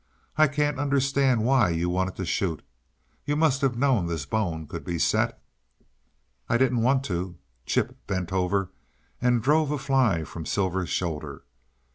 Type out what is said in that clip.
I can't understand why you wanted to shoot you must have known this bone could be set." "I didn't WANT to " Chip bent over and drove a fly from Silver's shoulder.